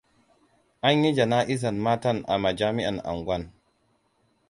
An yi jana'izan matan a majami'an angwan.